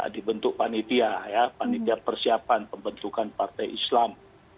di bentuk panitia panitia persiapan pembentukan partai islam